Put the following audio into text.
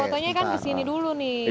contohnya kan kesini dulu nih